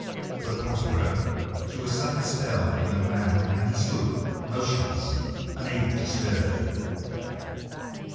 But Prospero threw a sudden spell over the young man, and he stood motionless, unable to stir.